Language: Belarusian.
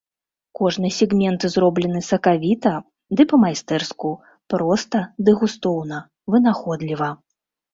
Кожны сегмент зроблены сакавіта ды па-майстэрску, проста ды густоўна, вынаходліва.